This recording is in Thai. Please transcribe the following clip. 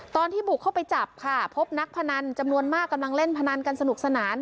ตอนที่บุกเข้าไปจับค่ะพบนักพนันจำนวนมากกำลังเล่นพนันกันสนุกสนาน